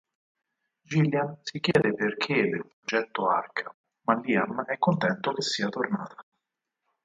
Jillian si chiede perché del "progetto arca", ma Liam è contento che sia tornata.